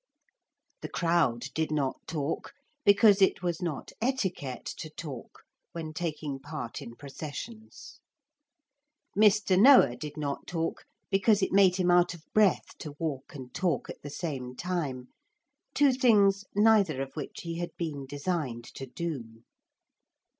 The crowd did not talk because it was not etiquette to talk when taking part in processions. Mr. Noah did not talk because it made him out of breath to walk and talk at the same time, two things neither of which he had been designed to do.